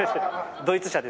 ドイツ車で。